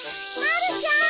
まるちゃーん。